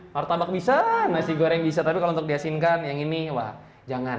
martabak bisa nasi goreng bisa tapi kalau untuk diasinkan yang ini wah jangan